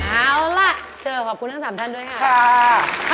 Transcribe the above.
เอาล่ะเชิญขอบคุณทั้ง๓ท่านด้วยค่ะ